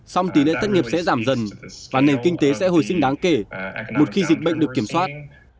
song tỷ lệ thất nghiệp sẽ giảm dần và nền kinh tế sẽ hồi sinh đáng kể một khi dịch bệnh được kiểm soát